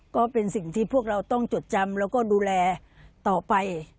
ก็เป็นสิ่งที่พวกเราต้องจดจำแล้วก็ดูแลต่อไป